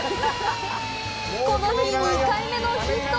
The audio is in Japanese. この日２回目のヒット！